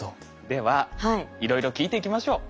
ではいろいろ聞いていきましょう。